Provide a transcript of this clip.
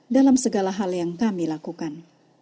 dalam segala hal yang kami lakukan